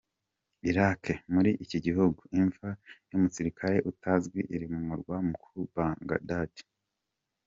Irak : Muri iki gihugu, imva y’Umusirikare Utazwi iri mu murwa mukuru Bagdad.